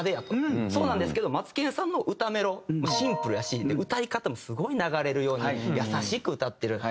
そうなんですけどマツケンさんの歌メロもシンプルやし歌い方もすごい流れるように優しく歌ってる。